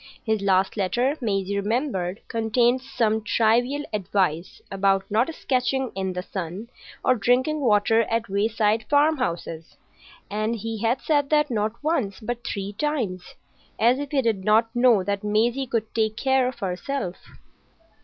His last letter, Maisie remembered, contained some trivial advice about not sketching in the sun or drinking water at wayside farmhouses; and he had said that not once, but three times,—as if he did not know that Maisie could take care of herself.